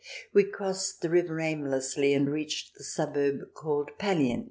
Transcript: — we crossed the river aimlessly and reached the suburb called Pallien.